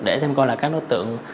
để xem coi là các đối tượng